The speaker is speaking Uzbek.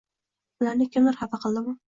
Ularni kimdir xafa qildimi